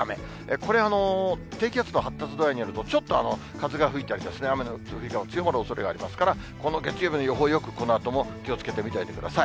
これ、低気圧の発達度合いによりますと、ちょっと風が吹いたり、雨の降り方が強まるおそれがありますから、この月曜日の予報、このあとも気をつけて見ておいてください。